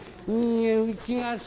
「うちがさ」。